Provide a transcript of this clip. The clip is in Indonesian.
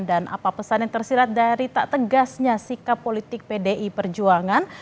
dan apa pesan yang tersirat dari tak tegasnya sikap politik pdi perjuangan